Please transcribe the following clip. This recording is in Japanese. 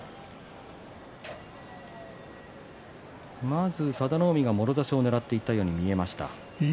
まず佐田の海が、もろ差しをねらったように見えました。